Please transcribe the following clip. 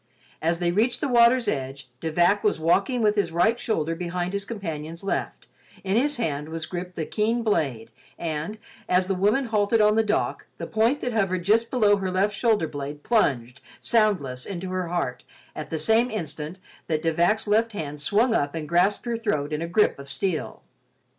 As they reached the water's edge, De Vac was walking with his right shoulder behind his companion's left, in his hand was gripped the keen blade and, as the woman halted on the dock, the point that hovered just below her left shoulder blade plunged, soundless, into her heart at the same instant that De Vac's left hand swung up and grasped her throat in a grip of steel.